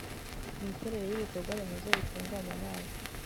imiterere y ibikorwaremezo bitunganya amazi